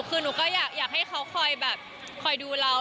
คือนูก็อยากให้เขาคอยดูเรา